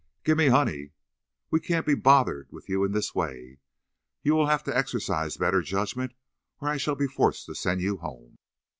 "Give me honey." "We can't be bothered with you in this way. You will have to exercise better judgment, or I shall be forced to send you home.